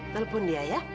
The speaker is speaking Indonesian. telepon dia ya